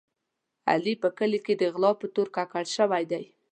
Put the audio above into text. علي په کلي کې د غلا په تور ککړ شوی دی.